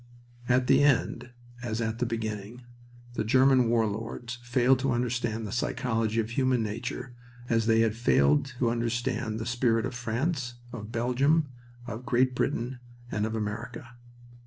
At the end, as at the beginning, the German war lords failed to understand the psychology of human nature as they had failed to understand the spirit of France, of Belgium, of Great Britain, and of America.